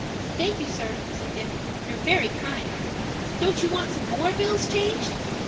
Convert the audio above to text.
"Thank you, sir," said Dick. "You're very kind. Don't you want some more bills changed?"